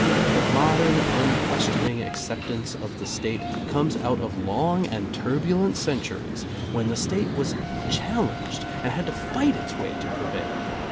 The modern unquestioning acceptance of the State comes out of long and turbulent centuries when the State was challenged and had to fight its way to prevail.